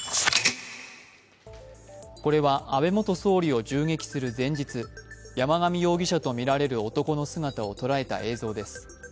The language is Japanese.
これは、安倍元総理を銃撃する前日山上容疑者とみられる男の姿を捉えた映像です。